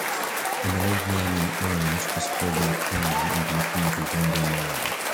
An old man in orange is holding a cane and looking at a younger male.